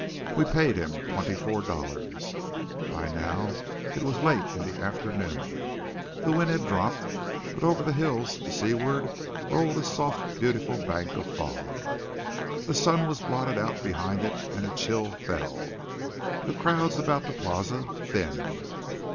We paid him twenty four dollars. By now it was late in the afternoon. The wind had dropped, but over the hills to seaward rolled a soft beautiful bank of fog. The sun was blotted out behind it and a chill fell. The crowds about the Plaza thinned.